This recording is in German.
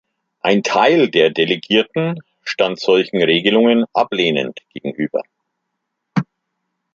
Ein Teil der Delegierten stand solchen Regelungen ablehnend gegenüber.